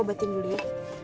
obatin dulu ya